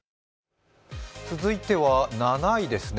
続いては７位ですね。